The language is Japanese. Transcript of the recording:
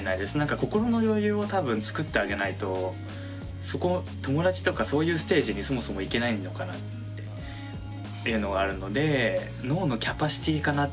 心の余裕を多分作ってあげないとそこ友達とかそういうステージにそもそもいけないのかなっていうのがあるので脳のキャパシティーかなって